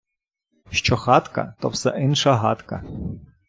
Що хатка, то все инша гадка.